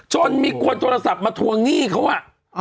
จนมีคนโทรศัพท์มาทัวงี่เขา